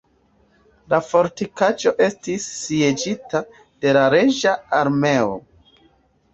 La fortikaĵo estis sieĝita de la reĝa armeo.